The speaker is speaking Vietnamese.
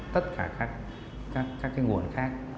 tất cả các cái nguồn khác